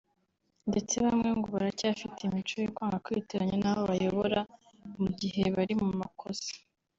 ndetse bamwe ngo baracyafite imico yo kwanga kwiteranya n’abo bayobora mu gihe bari mu makosa